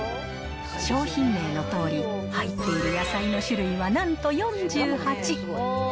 商品名のとおり、入っている野菜の種類はなんと４８。